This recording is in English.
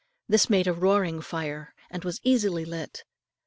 This made a roaring fire, and was easily lit.